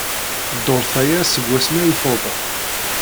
Dduṛt aya seg wasmi ay tuḍen.